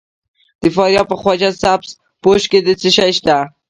د فاریاب په خواجه سبز پوش کې څه شی شته؟